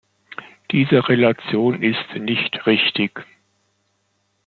Diese Relation ist nicht richtig.